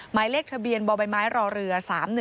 หมายเลขทะเบียนบ่อใบไม้รอเรือ๓๑